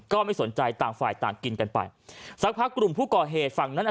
ก็ไม่สนใจต่างฝ่ายต่างกินกันไปสักพักกลุ่มผู้ก่อเหตุฝั่งนั้นอ่ะ